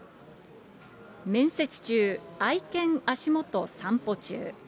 面接中、愛犬足元、散歩中。